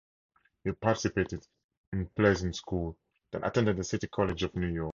He participated in plays in school, then attended the City College of New York.